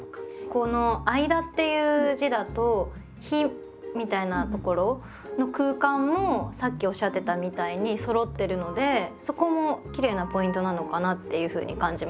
この「間」っていう字だと「日」みたいなところの空間もさっきおっしゃってたみたいにそろってるのでそこもきれいなポイントなのかなっていうふうに感じました。